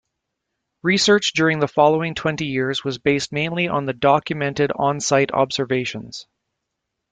Research during the following twenty years was based mainly on the documented on-site observations.